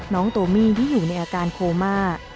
โตมี่ที่อยู่ในอาการโคม่า